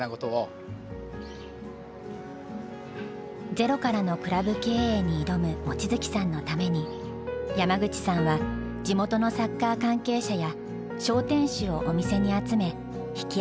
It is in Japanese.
ゼロからのクラブ経営に挑む望月さんのために山口さんは地元のサッカー関係者や商店主をお店に集め引き合わせた。